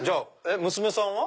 娘さんは？